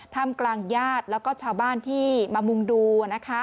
ทำกลางญาติแล้วก็ชาวบ้านที่มามุ่งดูนะคะ